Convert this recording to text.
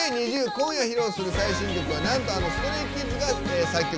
今夜、披露する最新曲はなんと、あのＳｔｒａｙＫｉｄｓが作曲。